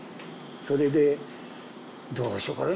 それでどうしようかね